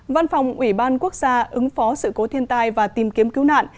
văn phòng ủy ban quốc gia ứng phó sự cố thiên tai và tìm kiếm cứu nạn